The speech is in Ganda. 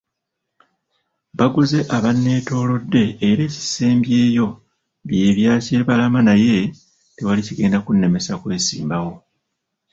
Baguze abanneetoolodde era ekisembyeyo bye bya Kibalama naye tewali kigenda kunnemesa kwesimbawo.